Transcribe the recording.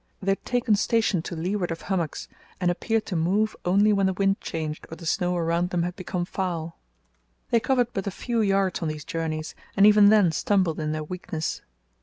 They had taken station to leeward of hummocks, and appeared to move only when the wind changed or the snow around them had become foul. They covered but a few yards on these journeys, and even then stumbled in their weakness.